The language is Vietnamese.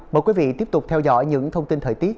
mời quý vị tiếp tục theo dõi những thông tin thời tiết